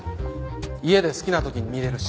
家で好きな時に見れるし。